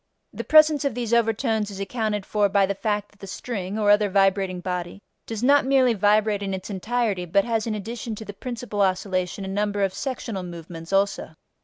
The presence of these overtones is accounted for by the fact that the string (or other vibrating body) does not merely vibrate in its entirety but has in addition to the principal oscillation a number of sectional movements also.